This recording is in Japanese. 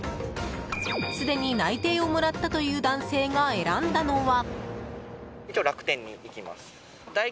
すでに内定をもらったという男性が選んだのは。